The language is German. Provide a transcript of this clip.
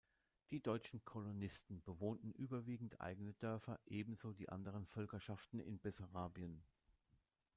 Die deutschen Kolonisten bewohnten überwiegend eigene Dörfer, ebenso die anderen Völkerschaften in Bessarabien.